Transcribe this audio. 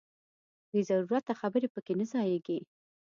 بې ضرورته خبرې پکې نه ځاییږي.